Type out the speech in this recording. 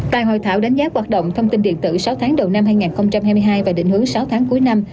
tại hội thảo đánh giá hoạt động thông tin điện tử sáu tháng đầu năm hai nghìn hai mươi hai và định hướng sáu tháng cuối năm